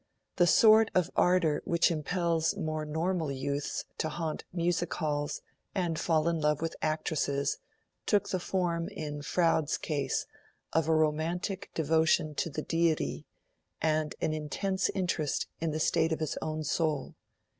The sort of ardour which impels more normal youths to haunt Music Halls and fall in love with actresses took the form, in Froude's case, of a romantic devotion to the Deity and an intense interest in the state of his own soul.